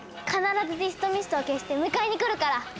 必ずディストミストを消して迎えに来るから。